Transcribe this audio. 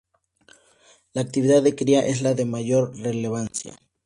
La actividad de cría es la de mayor relevancia.